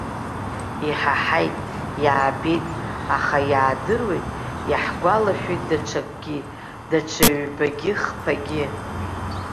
Иҳаҳаит, иаабеит, аха иаадыруеит, иаҳгәалашәоит даҽакгьы, даҽа ҩбагьы, хԥагьы.